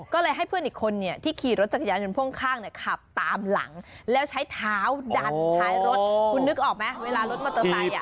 ก็เลยให้เพื่อนอีกคนเนี่ยที่ขี่รถจักรยานยนต์พ่วงข้างเนี่ยขับตามหลังแล้วใช้เท้าดันท้ายรถคุณนึกออกไหมเวลารถมอเตอร์ไซค์